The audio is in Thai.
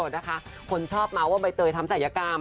อ๋อนะคะคนชอบเมาส์ว่าใบเตยทำสายกาม